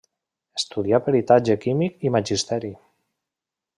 Estudià peritatge químic i magisteri.